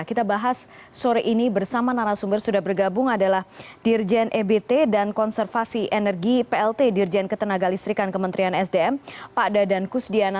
kita bahas sore ini bersama narasumber sudah bergabung adalah dirjen ebt dan konservasi energi plt dirjen ketenaga listrikan kementerian sdm pak dadan kusdiana